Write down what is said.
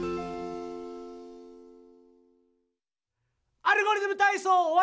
「アルゴリズムたいそう」おわり！